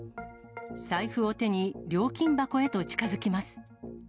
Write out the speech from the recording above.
財布を手に、料金箱へと近づきます。